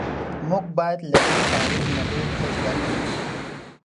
موږ باید له دې تاریخ نه ډیر څه زده کړو.